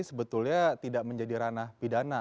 sebetulnya tidak menjadi ranah pidana